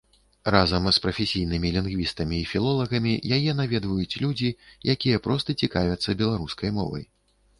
Разам з прафесійнымі лінгвістамі і філолагамі яе наведваюць людзі, якія проста цікавіцца беларускай мовай.